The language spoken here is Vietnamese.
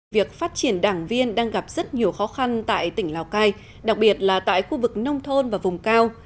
việc phát triển đảng viên đang gặp rất nhiều khó khăn tại tỉnh lào cai đặc biệt là tại khu vực nông thôn và vùng cao